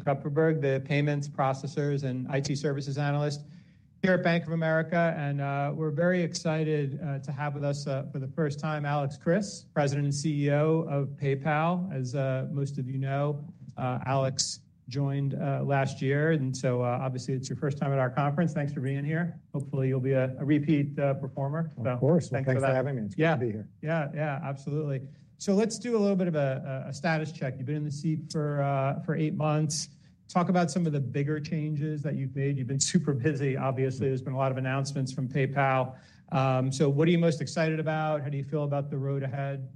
Jason Kupferberg, the payments, processors, and IT services analyst here at Bank of America, and we're very excited to have with us, for the first time, Alex Chriss, President and CEO of PayPal. As most of you know, Alex joined last year, and so obviously, it's your first time at our conference. Thanks for being here. Hopefully, you'll be a repeat performer. Of course. Well, thanks for that. Thanks for having me. Yeah. It's good to be here. Yeah. Yeah, absolutely. So let's do a little bit of a status check. You've been in the seat for eight months. Talk about some of the bigger changes that you've made. You've been super busy, obviously. There's been a lot of announcements from PayPal. So what are you most excited about? How do you feel about the road ahead?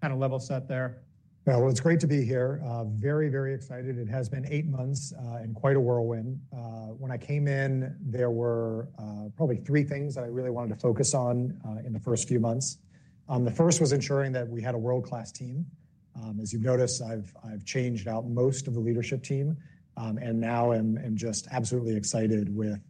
Kind of level set there. Well, it's great to be here. Very, very excited. It has been 8 months, and quite a whirlwind. When I came in, there were probably 3 things that I really wanted to focus on in the first few months. The first was ensuring that we had a world-class team. As you've noticed, I've changed out most of the leadership team, and now I'm just absolutely excited with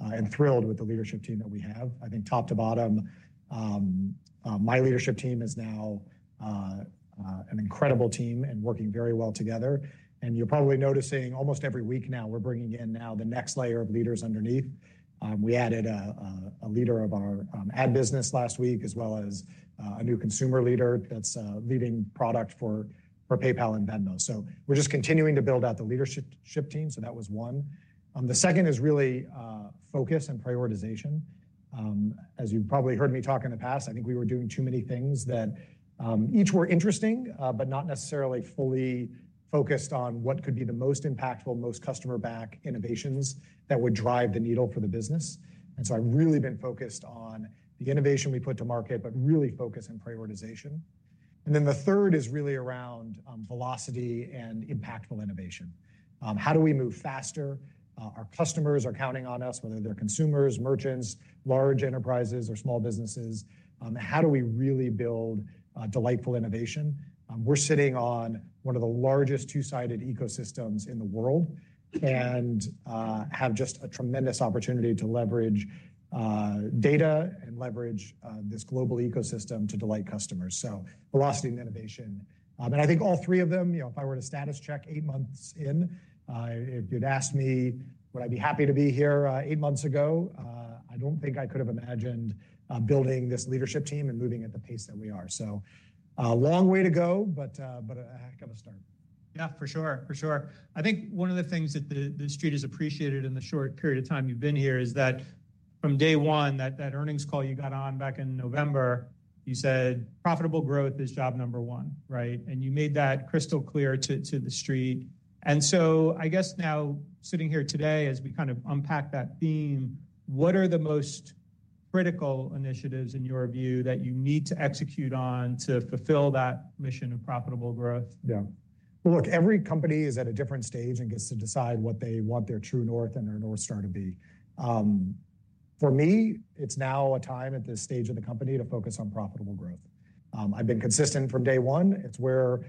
and thrilled with the leadership team that we have. I think top to bottom, my leadership team is now an incredible team and working very well together, and you're probably noticing almost every week now, we're bringing in now the next layer of leaders underneath. We added a leader of our ad business last week, as well as a new consumer leader that's leading product for PayPal and Venmo. So we're just continuing to build out the leadership team. So that was one. The second is really focus and prioritization. As you've probably heard me talk in the past, I think we were doing too many things that each were interesting but not necessarily fully focused on what could be the most impactful, most customer-backed innovations that would drive the needle for the business. And so I've really been focused on the innovation we put to market, but really focus on prioritization. And then the third is really around velocity and impactful innovation. How do we move faster? Our customers are counting on us, whether they're consumers, merchants, large enterprises, or small businesses. How do we really build delightful innovation? We're sitting on one of the largest two-sided ecosystems in the world and have just a tremendous opportunity to leverage data and leverage this global ecosystem to delight customers. So velocity and innovation. And I think all three of them, you know, if I were to status check eight months in, if you'd asked me, would I be happy to be here eight months ago? I don't think I could have imagined building this leadership team and moving at the pace that we are. So a long way to go, but a heck of a start. Yeah, for sure. For sure. I think one of the things that the street has appreciated in the short period of time you've been here is that from day one, that earnings call you got on back in November, you said, "Profitable growth is job number one" right? And you made that crystal clear to the street. And so I guess now, sitting here today, as we kind of unpack that theme, what are the most critical initiatives in your view that you need to execute on to fulfill that mission of profitable growth? Yeah. Look, every company is at a different stage and gets to decide what they want their true north and their North Star to be. For me, it's now a time at this stage of the company to focus on profitable growth. I've been consistent from day one. It's where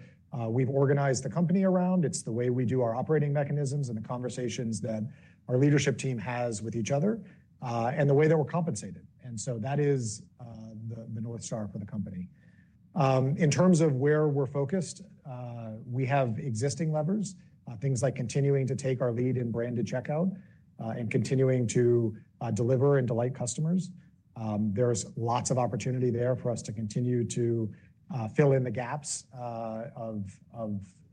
we've organized the company around. It's the way we do our operating mechanisms and the conversations that our leadership team has with each other, and the way that we're compensated. And so that is the North Star for the company. In terms of where we're focused, we have existing levers, things like continuing to take our lead in branded checkout, and continuing to deliver and delight customers. There's lots of opportunity there for us to continue to fill in the gaps of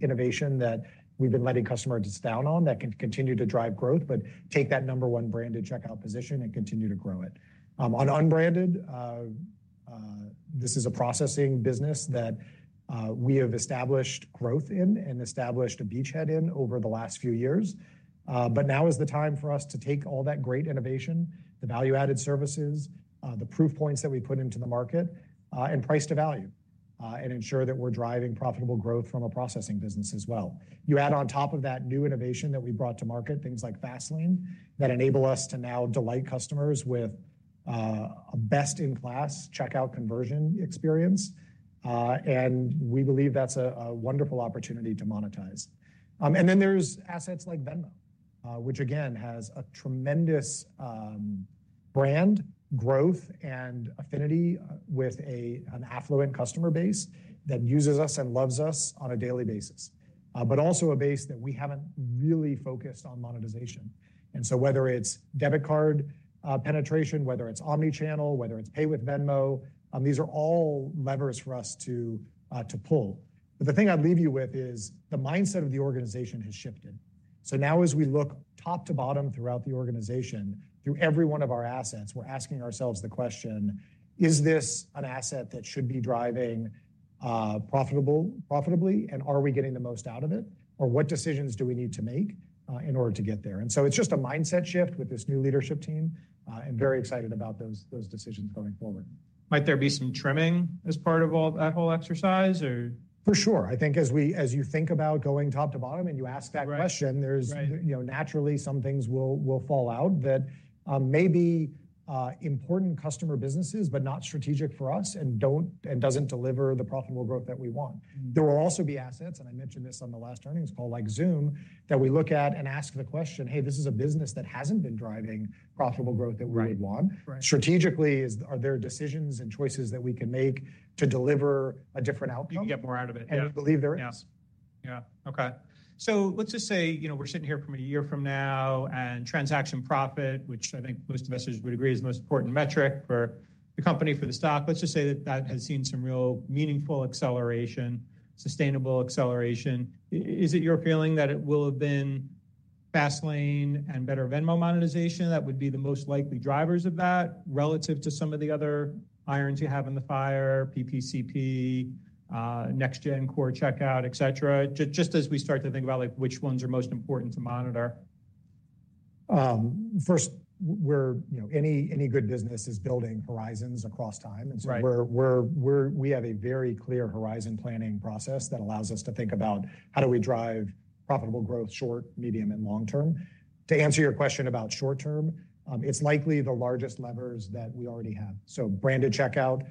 innovation that we've been letting customers down on that can continue to drive growth, but take that number one branded checkout position and continue to grow it. On unbranded, this is a processing business that we have established growth in and established a beachhead in over the last few years. Now is the time for us to take all that great innovation, the value-added services, the proof points that we put into the market, and price to value, and ensure that we're driving profitable growth from a processing business as well. You add on top of that new innovation that we brought to market, things like Fastlane, that enable us to now delight customers with a best-in-class checkout conversion experience, and we believe that's a wonderful opportunity to monetize. And then there's assets like Venmo, which again, has a tremendous brand, growth, and affinity with an affluent customer base that uses us and loves us on a daily basis. But also a base that we haven't really focused on monetization. And so whether it's debit card penetration, whether it's omnichannel, whether it's Pay with Venmo, these are all levers for us to pull. But the thing I'd leave you with is the mindset of the organization has shifted. So now as we look top to bottom throughout the organization, through every one of our assets, we're asking ourselves the question: Is this an asset that should be driving profitable, profitably, and are we getting the most out of it? Or what decisions do we need to make in order to get there? And so it's just a mindset shift with this new leadership team, and very excited about those decisions going forward. Might there be some trimming as part of all that whole exercise, or? For sure. I think as you think about going top to bottom and you ask that question- Right... there's- Right You know, naturally some things will fall out that may be important customer businesses, but not strategic for us and don't, and doesn't deliver the profitable growth that we want. There will also be assets, and I mentioned this on the last earnings call, like Xoom, that we look at and ask the question: Hey, this is a business that hasn't been driving profitable growth that we would want. Right. Strategically, are there decisions and choices that we can make to deliver a different outcome? We can get more out of it, yeah. We believe there is.... Yeah. Okay. So let's just say, you know, we're sitting here from a year from now and transaction profit, which I think most investors would agree is the most important metric for the company, for the stock. Let's just say that that has seen some real meaningful acceleration, sustainable acceleration. Is it your feeling that it will have been Fastlane and better Venmo monetization that would be the most likely drivers of that, relative to some of the other irons you have in the fire, PPCP, next gen core checkout, etc.? Just as we start to think about, like, which ones are most important to monitor. First, we're, you know, any good business is building horizons across time. Right. And so we have a very clear horizon planning process that allows us to think about how do we drive profitable growth short, medium, and long term? To answer your question about short term, it's likely the largest levers that we already have. So branded checkout,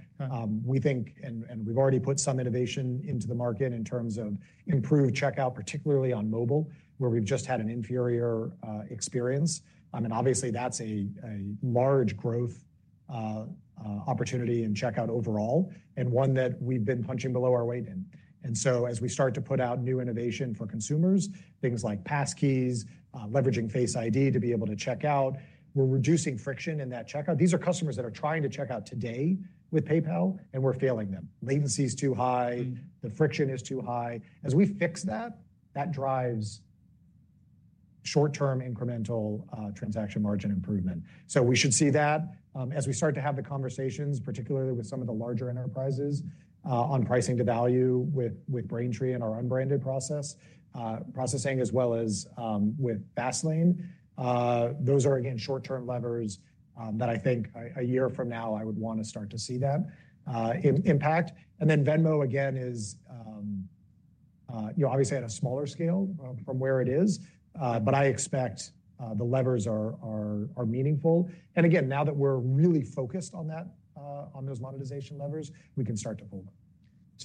we think, and we've already put some innovation into the market in terms of improved checkout, particularly on mobile, where we've just had an inferior experience. And obviously, that's a large growth opportunity in checkout overall, and one that we've been punching below our weight in. And so as we start to put out new innovation for consumers, things like passkeys, leveraging Face ID to be able to check out, we're reducing friction in that checkout. These are customers that are trying to check out today with PayPal, and we're failing them. Latency is too high, the friction is too high. As we fix that, that drives short-term incremental transaction margin improvement. So we should see that as we start to have the conversations, particularly with some of the larger enterprises on pricing to value with Braintree and our unbranded processing, as well as with Fastlane. Those are, again, short-term levers that I think a year from now, I would want to start to see that impact. And then Venmo, again, is you know, obviously at a smaller scale from where it is, but I expect the levers are meaningful. And again, now that we're really focused on that, on those monetization levers, we can start to pull them.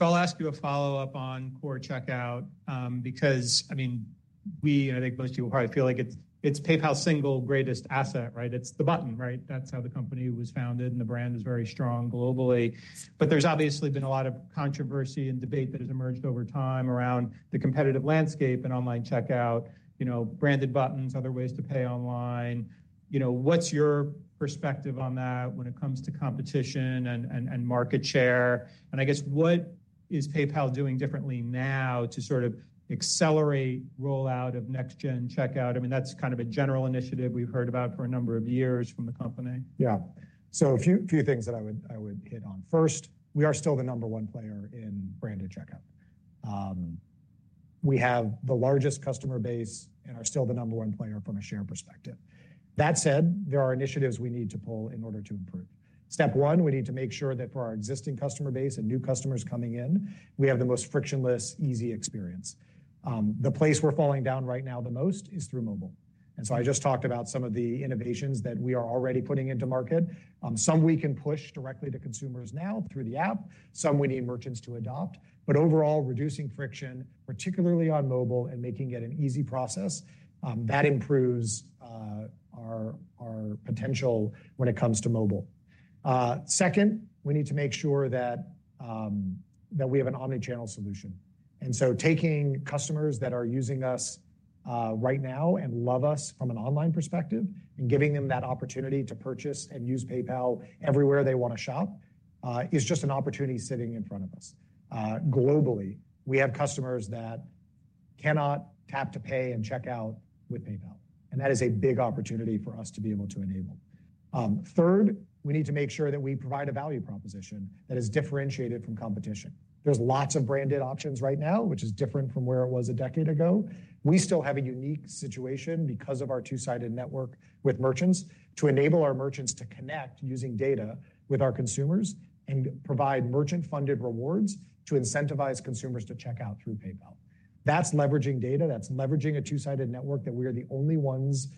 I'll ask you a follow-up on core checkout, because, I mean, we and I think most people probably feel like it's, it's PayPal's single greatest asset, right? It's the button, right? That's how the company was founded, and the brand is very strong globally. But there's obviously been a lot of controversy and debate that has emerged over time around the competitive landscape and online checkout, you know, branded buttons, other ways to pay online. You know, what's your perspective on that when it comes to competition and, and, and market share? And I guess, what is PayPal doing differently now to sort of accelerate rollout of next gen checkout? I mean, that's kind of a general initiative we've heard about for a number of years from the company. Yeah. So a few things that I would hit on. First, we are still the number one player in branded checkout. We have the largest customer base and are still the number one player from a share perspective. That said, there are initiatives we need to pull in order to improve. Step one, we need to make sure that for our existing customer base and new customers coming in, we have the most frictionless, easy experience. The place we're falling down right now the most is through mobile. And so I just talked about some of the innovations that we are already putting into market. Some we can push directly to consumers now through the app, some we need merchants to adopt, but overall, reducing friction, particularly on mobile and making it an easy process, that improves our potential when it comes to mobile. Second, we need to make sure that we have an omnichannel solution. So taking customers that are using us right now and love us from an online perspective, and giving them that opportunity to purchase and use PayPal everywhere they want to shop, is just an opportunity sitting in front of us. Globally, we have customers that cannot tap to pay and check out with PayPal, and that is a big opportunity for us to be able to enable. Third, we need to make sure that we provide a value proposition that is differentiated from competition. There's lots of branded options right now, which is different from where it was a decade ago. We still have a unique situation because of our two-sided network with merchants, to enable our merchants to connect using data with our consumers and provide merchant-funded rewards to incentivize consumers to check out through PayPal. That's leveraging data, that's leveraging a two-sided network that we are the only ones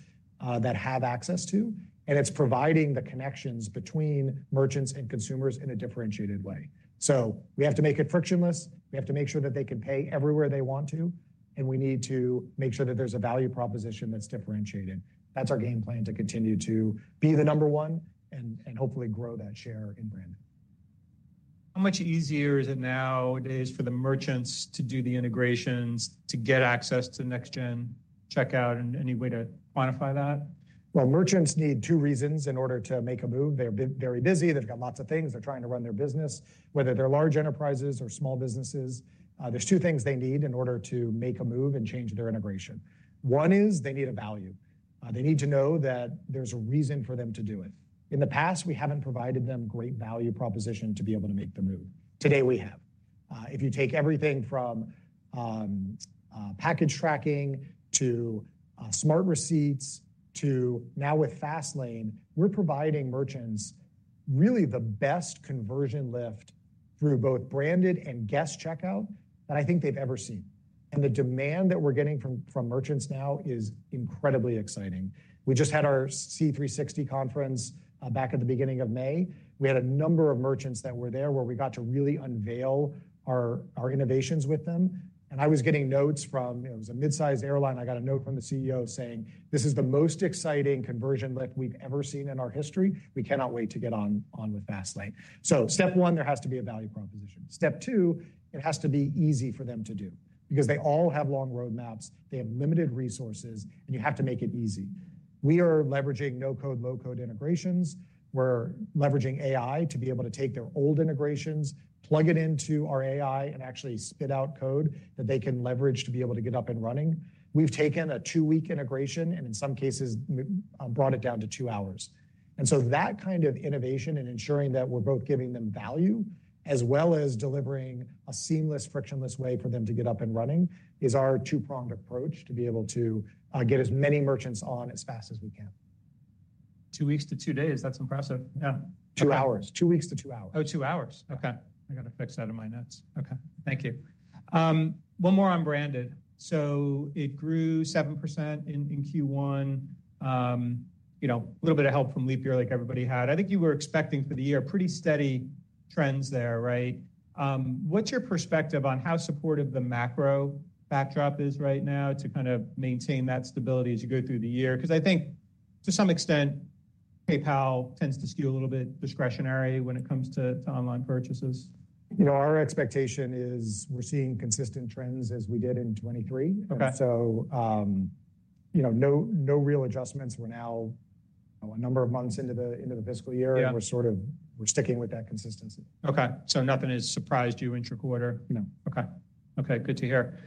that have access to, and it's providing the connections between merchants and consumers in a differentiated way. So we have to make it frictionless. We have to make sure that they can pay everywhere they want to, and we need to make sure that there's a value proposition that's differentiated. That's our game plan, to continue to be the number one and hopefully grow that share in branding. How much easier is it nowadays for the merchants to do the integrations, to get access to next gen checkout, and any way to quantify that? Well, merchants need two reasons in order to make a move. They're very busy, they've got lots of things. They're trying to run their business, whether they're large enterprises or small businesses. There's two things they need in order to make a move and change their integration. One is they need a value. They need to know that there's a reason for them to do it. In the past, we haven't provided them great value proposition to be able to make the move. Today, we have. If you take everything from package tracking to Smart Receipts, to now with Fastlane, we're providing merchants really the best conversion lift through both branded and guest checkout than I think they've ever seen. And the demand that we're getting from merchants now is incredibly exciting. We just had our C360 conference back at the beginning of May. We had a number of merchants that were there where we got to really unveil our innovations with them, and I was getting notes from, you know, it was a mid-sized airline. I got a note from the CEO saying, "This is the most exciting conversion lift we've ever seen in our history. We cannot wait to get on with Fastlane." So step one, there has to be a value proposition. Step two, it has to be easy for them to do because they all have long roadmaps, they have limited resources, and you have to make it easy. We are leveraging no-code, low-code integrations. We're leveraging AI to be able to take their old integrations, plug it into our AI, and actually spit out code that they can leverage to be able to get up and running. We've taken a two-week integration and in some cases, brought it down to two hours. And so that kind of innovation and ensuring that we're both giving them value, as well as delivering a seamless, frictionless way for them to get up and running, is our two-pronged approach to be able to, get as many merchants on as fast as we can. 2 weeks to 2 days. That's impressive. Yeah. 2 hours. 2 weeks to 2 hours. Oh, 2 hours. Okay. I got to fix that in my notes. Okay, thank you. One more on branded. So it grew 7% in Q1. You know, a little bit of help from leap year, like everybody had. I think you were expecting for the year pretty steady trends there, right? What's your perspective on how supportive the macro backdrop is right now to kind of maintain that stability as you go through the year? Because I think to some extent, PayPal tends to skew a little bit discretionary when it comes to online purchases. You know, our expectation is we're seeing consistent trends as we did in 2023. Okay. So, you know, no, no real adjustments. We're now a number of months into the fiscal year- Yeah... and we're sort of, we're sticking with that consistency. Okay. So nothing has surprised you intraquarter? No. Okay. Okay, good to hear.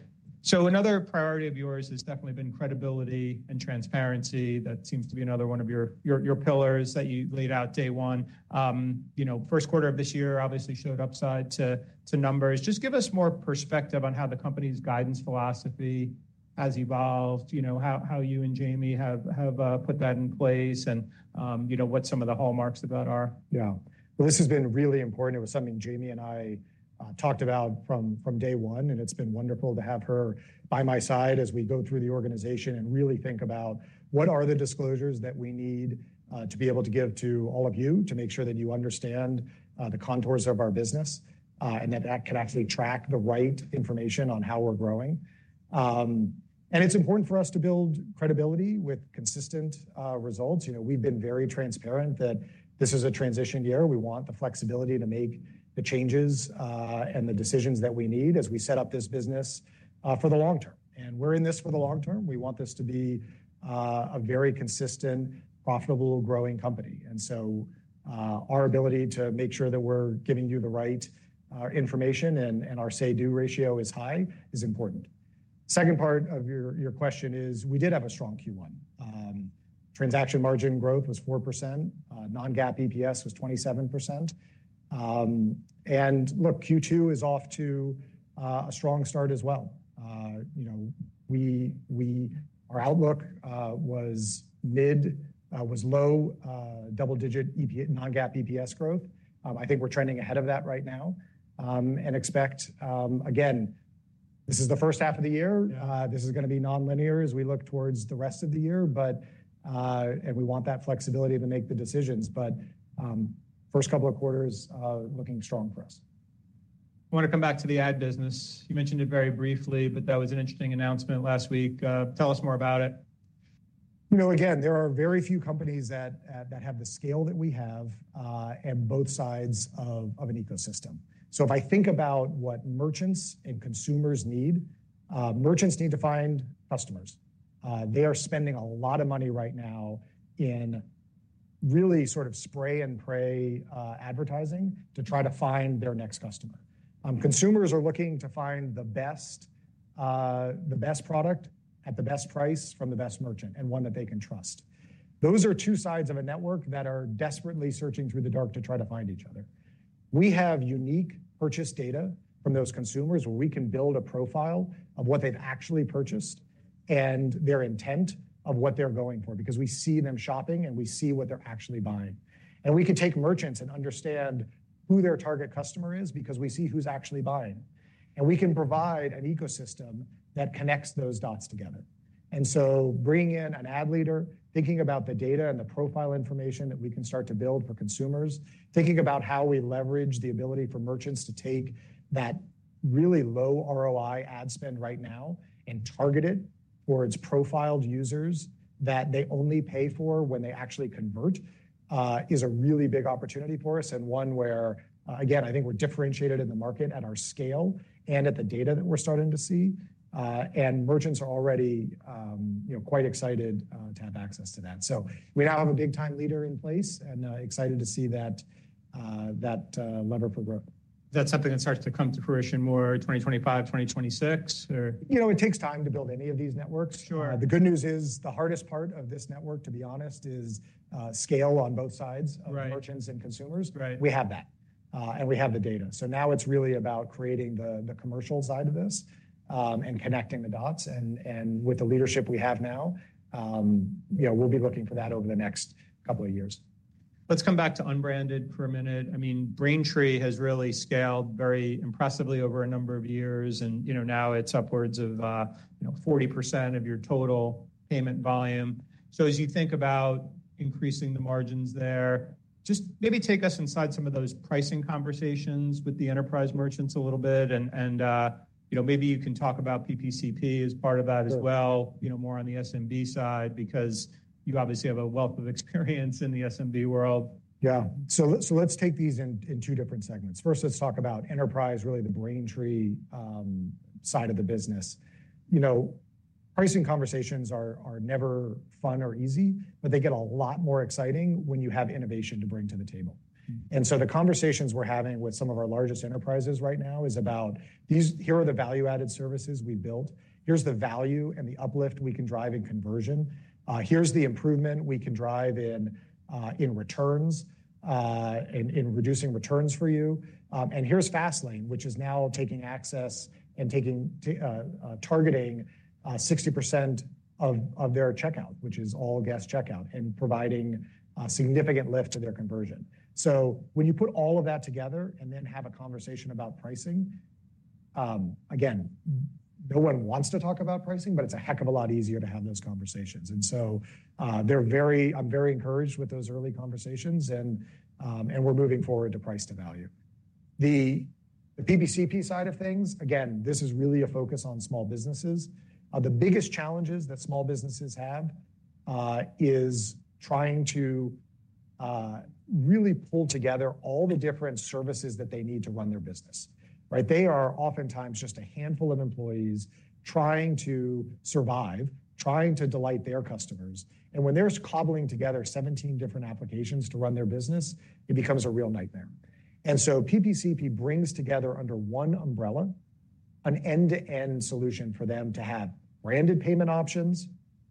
So another priority of yours has definitely been credibility and transparency. That seems to be another one of your pillars that you laid out day one. You know, first quarter of this year obviously showed upside to numbers. Just give us more perspective on how the company's guidance philosophy has evolved, you know, how you and Jamie have put that in place and, you know, what some of the hallmarks of that are. Yeah. Well, this has been really important. It was something Jamie and I talked about from day one, and it's been wonderful to have her by my side as we go through the organization and really think about what are the disclosures that we need to be able to give to all of you, to make sure that you understand the contours of our business, and that that can actually track the right information on how we're growing. And it's important for us to build credibility with consistent results. You know, we've been very transparent that this is a transition year. We want the flexibility to make the changes and the decisions that we need as we set up this business for the long term. And we're in this for the long term. We want this to be a very consistent, profitable, growing company. And so, our ability to make sure that we're giving you the right information and our say-do ratio is high is important. Second part of your question is, we did have a strong Q1. Transaction margin growth was 4%. Non-GAAP EPS was 27%. And look, Q2 is off to a strong start as well. You know, we, we—our outlook was mid, was low double-digit non-GAAP EPS growth. I think we're trending ahead of that right now, and expect, again, this is the first half of the year. Yeah. This is gonna be nonlinear as we look towards the rest of the year, but and we want that flexibility to make the decisions. But, first couple of quarters, looking strong for us. I want to come back to the ad business. You mentioned it very briefly, but that was an interesting announcement last week. Tell us more about it. You know, again, there are very few companies that, that have the scale that we have, and both sides of, of an ecosystem. So if I think about what merchants and consumers need, merchants need to find customers. They are spending a lot of money right now in really sort of spray and pray, advertising to try to find their next customer. Consumers are looking to find the best, the best product at the best price from the best merchant, and one that they can trust. Those are two sides of a network that are desperately searching through the dark to try to find each other. We have unique purchase data from those consumers, where we can build a profile of what they've actually purchased and their intent of what they're going for, because we see them shopping, and we see what they're actually buying. We can take merchants and understand who their target customer is because we see who's actually buying. We can provide an ecosystem that connects those dots together. Bringing in an ad leader, thinking about the data and the profile information that we can start to build for consumers, thinking about how we leverage the ability for merchants to take that really low ROI ad spend right now and target it towards profiled users that they only pay for when they actually convert, is a really big opportunity for us, and one where, again, I think we're differentiated in the market at our scale and at the data that we're starting to see. Merchants are already, you know, quite excited to have access to that. We now have a big-time leader in place, and excited to see that lever for growth. That's something that starts to come to fruition more 2025, 2026, or? You know, it takes time to build any of these networks. Sure. The good news is, the hardest part of this network, to be honest, is scale on both sides- Right... of the merchants and consumers. Right. We have that, and we have the data. So now it's really about creating the commercial side of this, and connecting the dots. And with the leadership we have now, you know, we'll be looking for that over the next couple of years. ... Let's come back to unbranded for a minute. I mean, Braintree has really scaled very impressively over a number of years, and, you know, now it's upwards of, you know, 40% of your total payment volume. So as you think about increasing the margins there, just maybe take us inside some of those pricing conversations with the enterprise merchants a little bit, and, you know, maybe you can talk about PPCP as part of that as well- Sure. You know, more on the SMB side, because you obviously have a wealth of experience in the SMB world. Yeah. So let's take these in two different segments. First, let's talk about enterprise, really, the Braintree side of the business. You know, pricing conversations are never fun or easy, but they get a lot more exciting when you have innovation to bring to the table. Mm-hmm. The conversations we're having with some of our largest enterprises right now is about these: here are the value-added services we built. Here's the value and the uplift we can drive in conversion. Here's the improvement we can drive in returns, in reducing returns for you. And here's Fastlane, which is now targeting 60% of their checkout, which is all guest checkout, and providing a significant lift to their conversion. So when you put all of that together and then have a conversation about pricing, again, no one wants to talk about pricing, but it's a heck of a lot easier to have those conversations. And so, they're very... I'm very encouraged with those early conversations, and, and we're moving forward to price to value. The PPCP side of things, again, this is really a focus on small businesses. The biggest challenges that small businesses have is trying to really pull together all the different services that they need to run their business, right? They are oftentimes just a handful of employees trying to survive, trying to delight their customers, and when they're cobbling together 17 different applications to run their business, it becomes a real nightmare. And so PPCP brings together under one umbrella, an end-to-end solution for them to have branded payment options,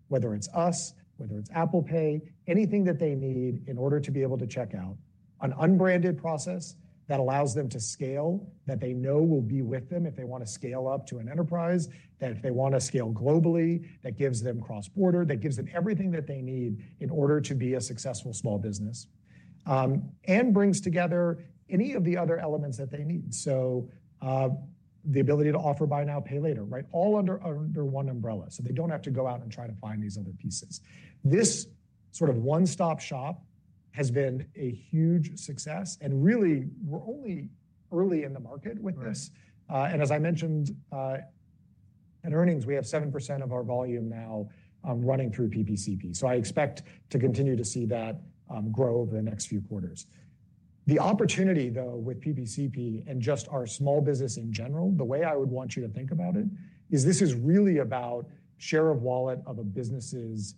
whether it's us, whether it's Apple Pay, anything that they need in order to be able to check out. An unbranded process that allows them to scale, that they know will be with them if they want to scale up to an enterprise, that if they want to scale globally, that gives them cross-border, that gives them everything that they need in order to be a successful small business, and brings together any of the other elements that they need. So, the ability to offer buy now, pay later, right? All under, under one umbrella, so they don't have to go out and try to find these other pieces. This sort of one-stop shop has been a huge success, and really, we're only early in the market with this. Right. And as I mentioned, in earnings, we have 7% of our volume now running through PPCP, so I expect to continue to see that grow over the next few quarters. The opportunity, though, with PPCP and just our small business in general, the way I would want you to think about it, is this is really about share of wallet of a business's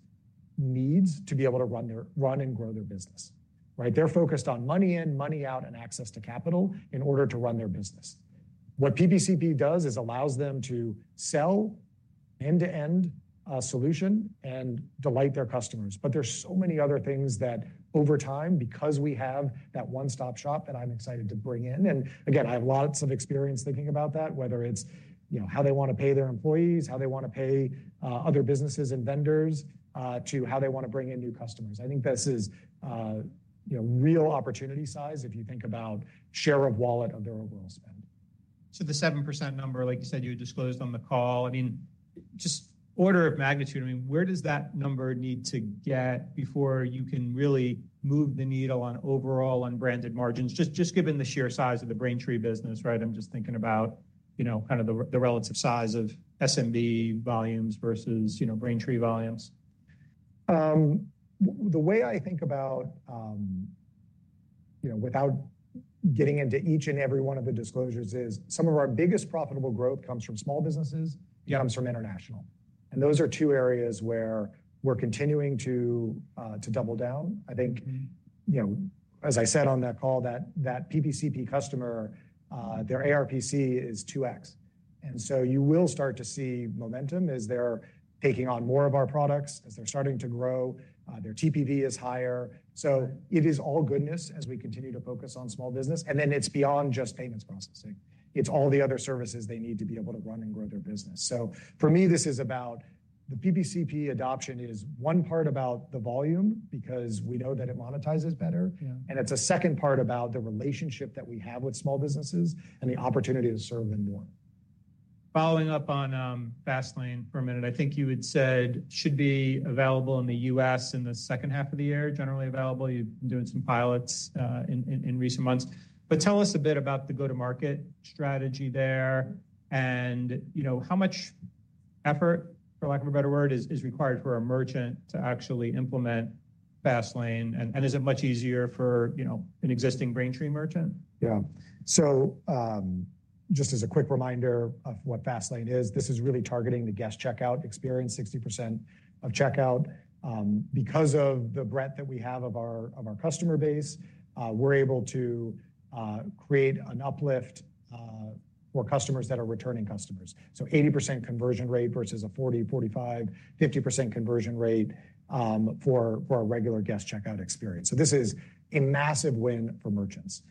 needs to be able to run and grow their business, right? They're focused on money in, money out, and access to capital in order to run their business. What PPCP does is allows them to sell end-to-end solution and delight their customers. But there are so many other things that over time, because we have that one-stop shop that I'm excited to bring in, and again, I have lots of experience thinking about that, whether it's, you know, how they want to pay their employees, how they want to pay, other businesses and vendors, to how they want to bring in new customers. I think this is, you know, real opportunity size if you think about share of wallet of their overall spend. So the 7% number, like you said, you disclosed on the call, I mean, just order of magnitude, I mean, where does that number need to get before you can really move the needle on overall unbranded margins? Just, just given the sheer size of the Braintree business, right? I'm just thinking about, you know, kind of the, the relative size of SMB volumes versus, you know, Braintree volumes. The way I think about, you know, without getting into each and every one of the disclosures is some of our biggest profitable growth comes from small businesses- Yeah. and comes from international. Those are two areas where we're continuing to double down. Mm-hmm. I think, you know, as I said on that call, that PPCP customer, their ARPC is 2x, and so you will start to see momentum as they're taking on more of our products, as they're starting to grow. Their TPV is higher. Right. So it is all goodness as we continue to focus on small business, and then it's beyond just payments processing. It's all the other services they need to be able to run and grow their business. So for me, this is about the PPCP adoption is one part about the volume because we know that it monetizes better. Yeah. It's a second part about the relationship that we have with small businesses and the opportunity to serve them more. Following up on Fastlane for a minute, I think you had said should be available in the U.S. in the second half of the year, generally available. You've been doing some pilots in recent months. But tell us a bit about the go-to-market strategy there, and you know, how much effort, for lack of a better word, is required for a merchant to actually implement Fastlane? And is it much easier for, you know, an existing Braintree merchant? Yeah. So, just as a quick reminder of what Fastlane is, this is really targeting the guest checkout experience, 60% of checkout. Because of the breadth that we have of our customer base, we're able to create an uplift for customers that are returning customers. So 80% conversion rate versus a 40, 45, 50% conversion rate for a regular guest checkout experience. So this is a massive win for merchants.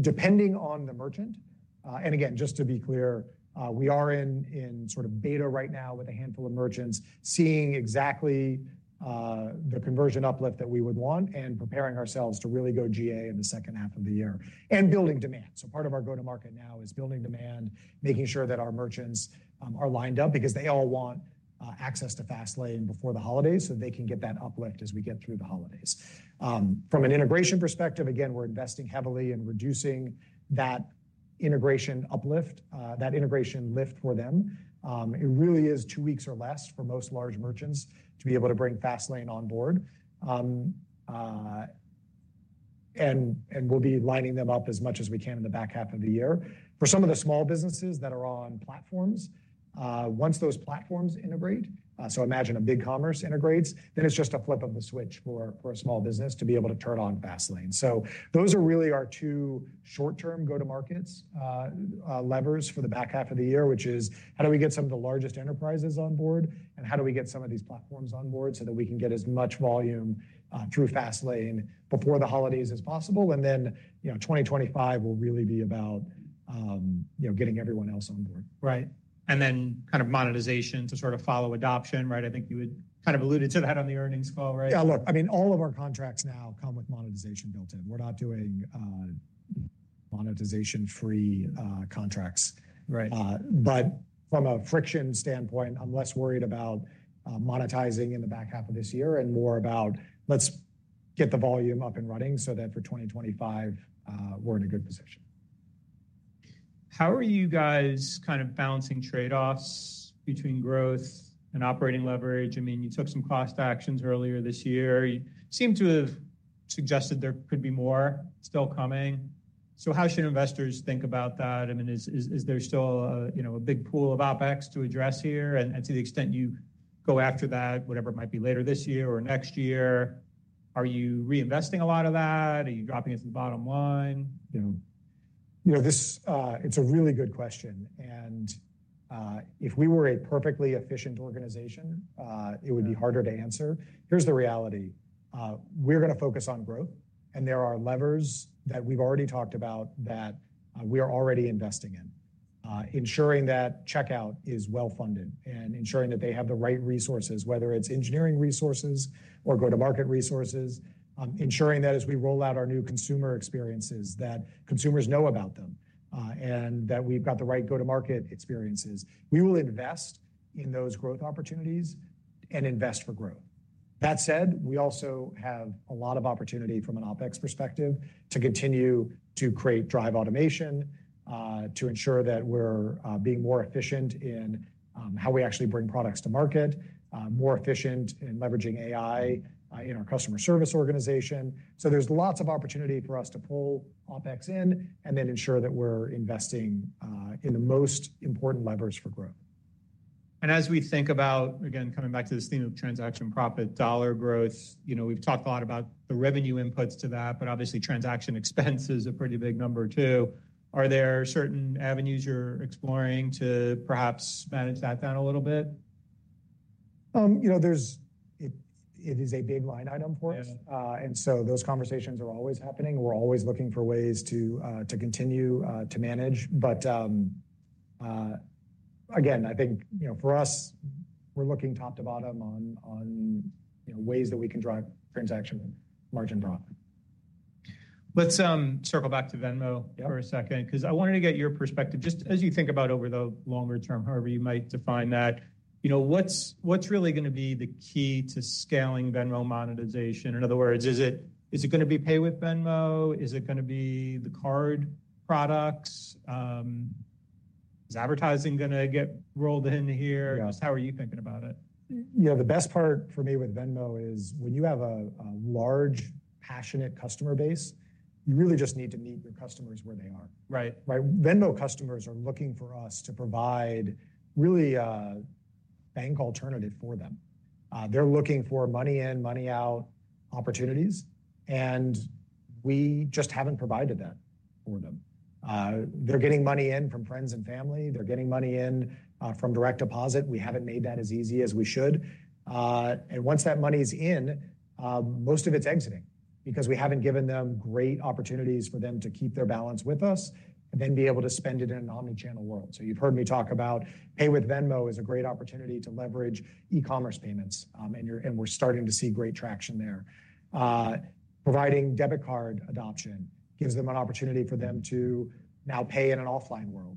Depending on the merchant, and again, just to be clear, we are in sort of beta right now with a handful of merchants, seeing exactly the conversion uplift that we would want and preparing ourselves to really go GA in the second half of the year and building demand. So part of our go-to-market now is building demand-... Making sure that our merchants are lined up because they all want access to Fastlane before the holidays, so they can get that uplift as we get through the holidays. From an integration perspective, again, we're investing heavily in reducing that integration uplift, that integration lift for them. It really is two weeks or less for most large merchants to be able to bring Fastlane on board. We'll be lining them up as much as we can in the back half of the year. For some of the small businesses that are on platforms, once those platforms integrate, so imagine a BigCommerce integrates, then it's just a flip of the switch for a small business to be able to turn on Fastlane. So those are really our two short-term go-to-markets, levers for the back half of the year, which is: how do we get some of the largest enterprises on board, and how do we get some of these platforms on board so that we can get as much volume, through Fastlane before the holidays as possible? And then, you know, 2025 will really be about, you know, getting everyone else on board. Right. And then kind of monetization to sort of follow adoption, right? I think you had kind of alluded to that on the earnings call, right? Yeah, look, I mean, all of our contracts now come with monetization built in. We're not doing, monetization-free, contracts. Right. But from a friction standpoint, I'm less worried about monetizing in the back half of this year and more about, let's get the volume up and running so that for 2025, we're in a good position. How are you guys kind of balancing trade-offs between growth and operating leverage? I mean, you took some cost actions earlier this year. You seem to have suggested there could be more still coming. So how should investors think about that? I mean, is there still a, you know, a big pool of OpEx to address here? And to the extent you go after that, whatever it might be, later this year or next year, are you reinvesting a lot of that? Are you dropping it to the bottom line, you know? You know, this, it's a really good question, and, if we were a perfectly efficient organization, it would be harder to answer. Here's the reality. We're going to focus on growth, and there are levers that we've already talked about that, we are already investing in. Ensuring that checkout is well funded and ensuring that they have the right resources, whether it's engineering resources or go-to-market resources, ensuring that as we roll out our new consumer experiences, that consumers know about them, and that we've got the right go-to-market experiences. We will invest in those growth opportunities and invest for growth. That said, we also have a lot of opportunity from an OpEx perspective to continue to create drive automation, to ensure that we're being more efficient in how we actually bring products to market, more efficient in leveraging AI, in our customer service organization. So there's lots of opportunity for us to pull OpEx in and then ensure that we're investing in the most important levers for growth. As we think about, again, coming back to this theme of transaction profit, dollar growth, you know, we've talked a lot about the revenue inputs to that, but obviously, transaction expense is a pretty big number, too. Are there certain avenues you're exploring to perhaps manage that down a little bit? You know, it is a big line item for us. Yeah. And so those conversations are always happening. We're always looking for ways to continue to manage, but again, I think, you know, for us, we're looking top to bottom on ways that we can drive transaction margin profit. Let's circle back to Venmo- Yeah... for a second, because I wanted to get your perspective, just as you think about over the longer term, however you might define that, you know, what's, what's really gonna be the key to scaling Venmo monetization? In other words, is it, is it gonna be Pay with Venmo? Is it gonna be the card products? Is advertising gonna get rolled in here? Yeah. Just how are you thinking about it? You know, the best part for me with Venmo is when you have a large, passionate customer base, you really just need to meet your customers where they are. Right. Right? Venmo customers are looking for us to provide really, bank alternative for them. They're looking for money in, money out opportunities, and we just haven't provided that for them. They're getting money in from friends and family. They're getting money in, from direct deposit. We haven't made that as easy as we should. And once that money is in, most of it's exiting because we haven't given them great opportunities for them to keep their balance with us and then be able to spend it in an omnichannel world. So you've heard me talk about Pay with Venmo is a great opportunity to leverage e-commerce payments, and we're starting to see great traction there. Providing debit card adoption gives them an opportunity for them to now pay in an offline world.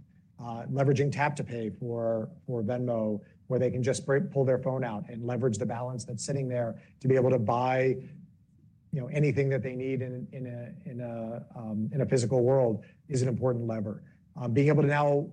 Leveraging tap-to-pay for Venmo, where they can just pull their phone out and leverage the balance that's sitting there to be able to buy, you know, anything that they need in a physical world, is an important lever. Being able to now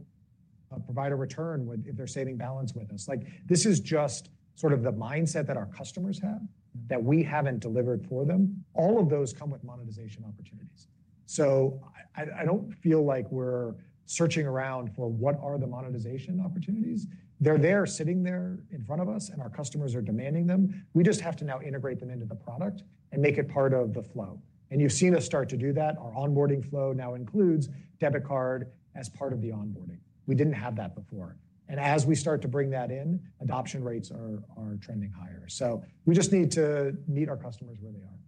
provide a return when if they're saving balance with us. Like, this is just sort of the mindset that our customers have- Mm-hmm... that we haven't delivered for them. All of those come with monetization opportunities. So I don't feel like we're searching around for what are the monetization opportunities. They're there, sitting there in front of us, and our customers are demanding them. We just have to now integrate them into the product and make it part of the flow. And you've seen us start to do that. Our onboarding flow now includes debit card as part of the onboarding. We didn't have that before. And as we start to bring that in, adoption rates are trending higher. So we just need to meet our customers where they are.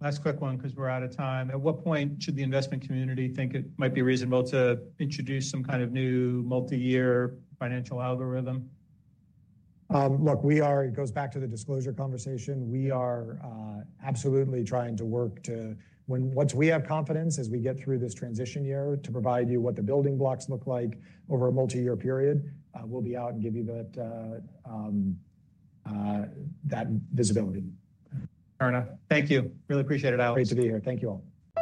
Last quick one, because we're out of time. At what point should the investment community think it might be reasonable to introduce some kind of new multi-year financial algorithm? Look, we are. It goes back to the disclosure conversation. We are absolutely trying to work to once we have confidence, as we get through this transition year, to provide you what the building blocks look like over a multi-year period, we'll be out and give you that visibility. Fair enough. Thank you. Really appreciate it, Alex. Great to be here. Thank you, all.